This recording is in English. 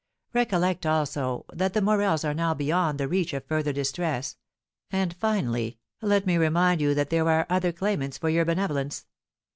Recollect, also, that the Morels are now beyond the reach of further distress; and, finally, let me remind you that there are other claimants for your benevolence.